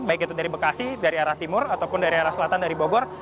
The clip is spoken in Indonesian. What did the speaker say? baik itu dari bekasi dari arah timur ataupun dari arah selatan dari bogor